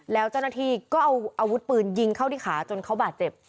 แล้วเจ้าหน้าที่ก็เอาอาวุธปืนยิงเข้าที่ขาจนเขาบาดเจ็บ